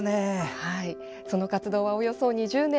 その活動は、およそ２０年。